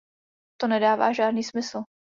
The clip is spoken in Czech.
To nedává žádný smysl.